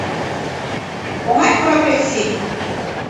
— Оҥай профессий.